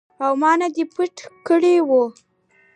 او ما نه دې پټه کړې وه.